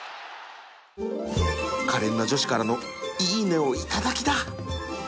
かれんな女子からのいいねを頂きだ